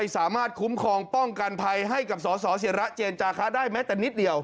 สามารถคุ้มครองป้องกันภัยให้กับสสิระเจนจาคะได้แม้แต่นิดเดียว